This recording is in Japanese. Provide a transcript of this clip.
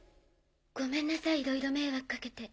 ごめんなさいいろいろ迷惑かけて。